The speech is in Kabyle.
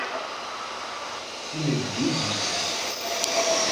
Inebgi i d-yusan.